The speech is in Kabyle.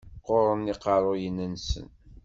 Qquren yiqerruyen-nsen.